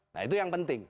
nah itu yang penting